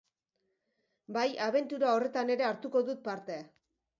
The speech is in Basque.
Bai, abentura horretan ere hartuko dut parte.